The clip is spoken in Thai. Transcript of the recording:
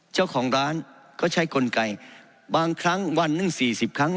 เจ้าของร้านก็ใช้กลไกบางครั้งวันหนึ่ง๔๐ครั้ง